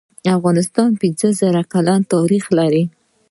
افغانستان پنځه زر کلن تاریخ لري.